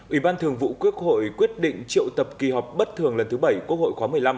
ủy ban thường vụ quốc hội quyết định triệu tập kỳ họp bất thường lần thứ bảy quốc hội khóa một mươi năm